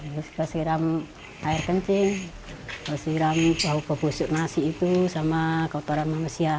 terus disiram air kencing disiram bau bau busuk nasi itu sama kotoran manusia